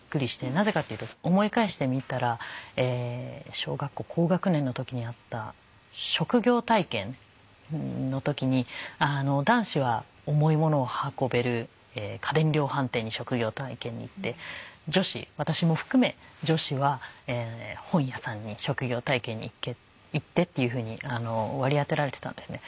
なぜかっていうと思い返してみたら小学校高学年の時にあった職業体験の時に男子は重いものを運べる家電量販店に職業体験に行って女子私も含め女子は本屋さんに職業体験に行ってっていうふうに割り当てられてたんですね。